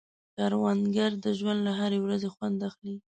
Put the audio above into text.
کروندګر د ژوند له هرې ورځې خوند اخلي